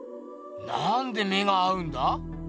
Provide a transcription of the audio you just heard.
なんで目が合うんだ？